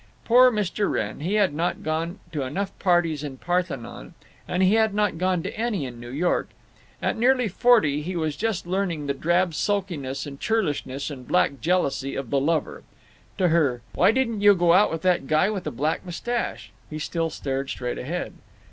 Poor Mr. Wrenn; he had not gone to enough parties in Parthenon, and he hadn't gone to any in New York. At nearly forty he was just learning the drab sulkiness and churlishness and black jealousy of the lover…. To her: "Why didn't you go out with that guy with the black mustache?" He still stared straight ahead.